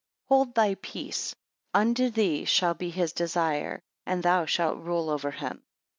Hold thy peace: unto thee shall be his desire, and thou shalt rule over him.